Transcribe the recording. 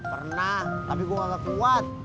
pernah tapi gue gak kuat